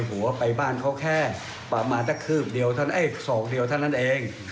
หัวไปบ้านเขาแค่ปรับมาสองเดียวเท่านั้นเอง